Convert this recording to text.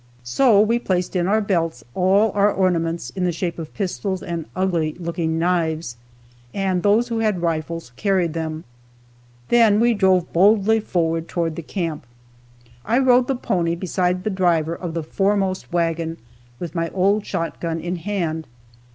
So we placed in our belts all our ornaments in the shape of pistols and ugly looking knives, and those who had rifles carried them. Then we drove boldly forward toward the camp. I rode the pony beside the driver of the foremost wagon with my old shot gun in hand.